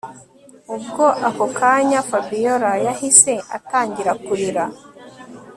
Ubwo ako kanya Fabiora yahise atangira kurira